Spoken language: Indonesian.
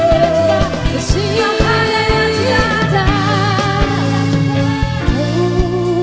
kasih sayangan tak bisa jatuh